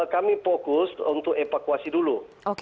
kami fokus untuk evakuasi dulu